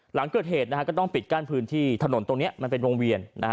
หลังเกิดเหตุก็ต้องปิดกั้นพื้นที่ถนนตรงนี้มันเป็นวงเวียน